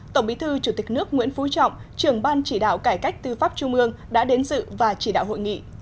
tổng bí thư chủ tịch nước nguyễn phú trọng trưởng ban chỉ đạo cải cách tư pháp trung ương đã đến dự và chỉ đạo hội nghị